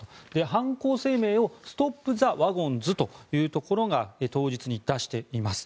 犯行声明をストップ・ザ・ワゴンズというところが当日に出しています。